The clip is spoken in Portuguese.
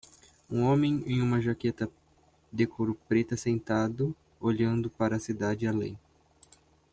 Um homem em uma jaqueta de couro preta sentado olhando para a cidade além.